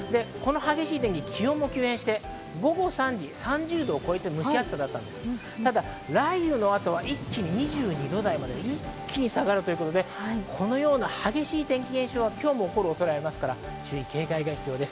気温も急変して、午後３時は３０度を超えて蒸し暑かったんですが、雷雨の後は一気に２２度台、一気に下がるということで、このような激しい天気現象は今日も起こる可能性ありますから、注意が必要です。